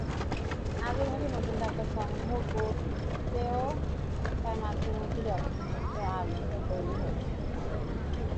আগেভাগেই নতুন টাকা সংগ্রহ করতেও তাই মানুষের মধ্যে যথেষ্ট আগ্রহও তৈরি হয়েছে।